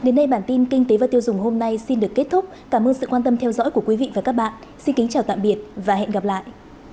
cảm ơn các bạn đã theo dõi hẹn gặp lại